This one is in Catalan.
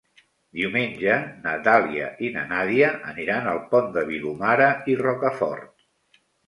Diumenge na Dàlia i na Nàdia aniran al Pont de Vilomara i Rocafort.